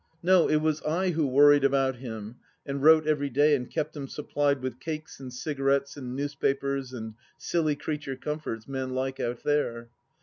... No, it was I who worried about him and wrote every day and kept him supplied with cakes and cigarettes and news papers and silly creature comforts men like out there.